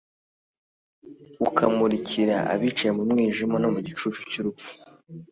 Ukamurikira abicaye mu mwijima no mu gicucu cy'urupfu,